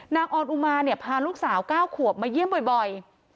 ออนอุมาเนี่ยพาลูกสาว๙ขวบมาเยี่ยมบ่อย